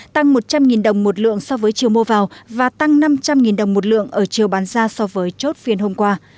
tăng một trăm linh đồng một lượng so với chiều mua vào và tăng năm trăm linh đồng một lượng ở chiều bán ra so với chốt phiên hôm qua